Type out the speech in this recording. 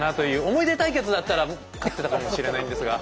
思い出対決だったら勝ってたかもしれないんですが。